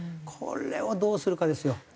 これをどうするかですよ。